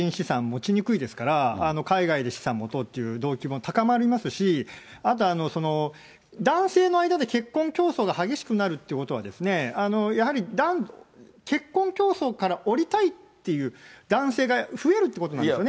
なかなか中国では個人資産持ちにくいですから、海外で資産を持とうという同期も高まりますし、あと男性の間で結婚競争が激しくなるということはですね、やはり、結婚競争から降りたいっていう男性が増えるということなんですよ